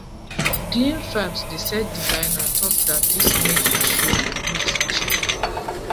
Gleen Forbes, the set designer, thought that this made the show look cheap.